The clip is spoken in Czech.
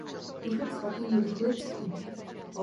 Duchem svatým je duch lidský.